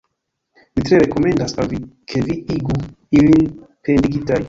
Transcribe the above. Mi tre rekomendas al vi, ke vi igu ilin pendigitaj.